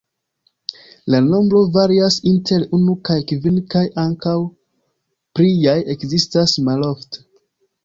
La nombro varias inter unu kaj kvin kaj ankaŭ pliaj ekzistas malofte.